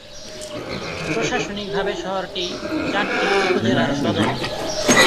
প্রশাসনিকভাবে শহরটি চাটখিল উপজেলার সদর।